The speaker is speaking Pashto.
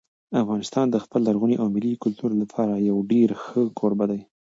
افغانستان د خپل لرغوني او ملي کلتور لپاره یو ډېر ښه کوربه دی.